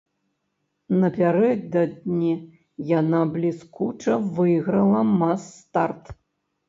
Напярэдадні яна бліскуча выйграла мас-старт.